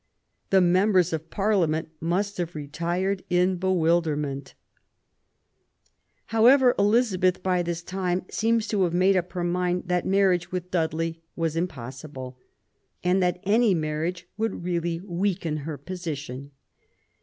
The members of Parliament must have retired in bewilderment. PROBLEMS OF THE REIGN. 77 However, Elizabeth, by this time, seems to have made up her mind that marriage with Dudley was im ^ possible, and that any marriage would really weaken her position.